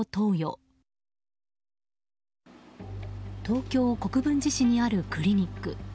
東京・国分寺市にあるクリニック。